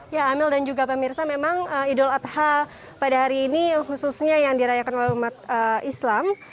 ya amel dan juga pemirsa memang idul adha pada hari ini khususnya yang dirayakan oleh umat islam